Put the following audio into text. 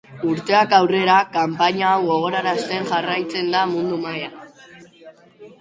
Urteak aurrera, kanpaina hau gogorarazten jarraitzen da mundu mailan.